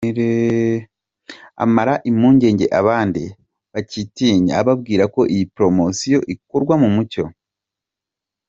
Amara impungenge abandi bacyitinya ababwira ko iyi poromosiyo ikorwa mu mucyo.